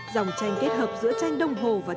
dòng tranh kết hợp giữa tranh đông hồ và tranh hàng chống